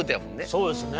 そうですね。